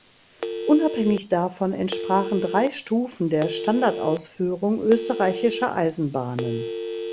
Unabhängig davon entsprachen drei Stufen der Standardausführung österreichischer Eisenbahnen.